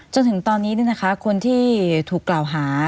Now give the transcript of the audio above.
จนถึงตอนนี้ด้วยนะคะคนที่ถูกกล่าวหา